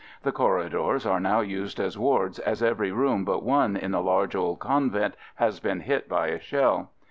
The corridors are now used as wards, as every room but one in the large old convent has been hit by a shell.